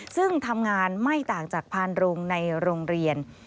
ซึ่งทำงานไม่ต่างจากพานโรงในโรงเรียน